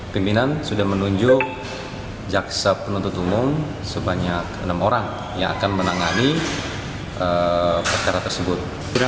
pimpinan sudah menunjuk jaksa penuntut umum sebanyak enam orang yang akan menangani perkara tersebut